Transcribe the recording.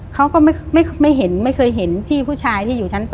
เขาก็ไม่เห็นไม่เคยเห็นพี่ผู้ชายที่อยู่ชั้น๒